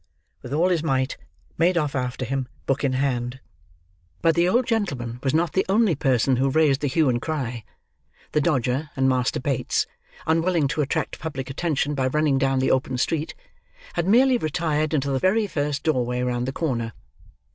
with all his might, made off after him, book in hand. But the old gentleman was not the only person who raised the hue and cry. The Dodger and Master Bates, unwilling to attract public attention by running down the open street, had merely retired into the very first doorway round the corner.